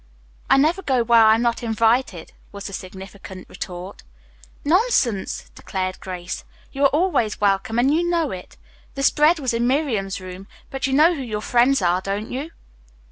"I never go where I am not invited," was the significant retort. "Nonsense!" declared Grace. "You are always welcome, and you know it. The spread was in Miriam's room, but you know who your friends are, don't you?"